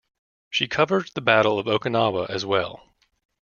She covered the battle of Okinawa as well.